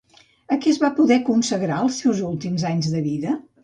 A què es va poder consagrar els seus últims anys de vida?